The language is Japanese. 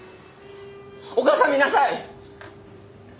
お母さん見なさい。